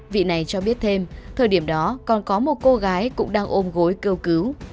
vị này cho biết thêm thời điểm đó còn có một cô gái cũng đang ôm gối kêu cứu